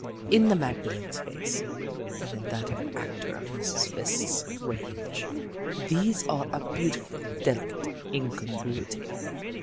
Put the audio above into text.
In the Magdalene's face and in that of an actor of Mrs. Fiske's range these are a beautifully delicate incongruity.